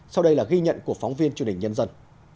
sau đây là ghi nhận của phóng viên chương trình nhân dân